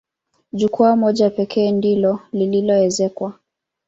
Jukwaa moja pekee ndilo lililoezekwa.